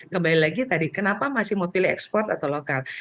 kembali lagi tadi kenapa masih mau pilih ekspor atau lokal